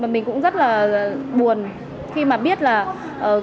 mình cũng rất là buồn khi mà biết là có những sự việc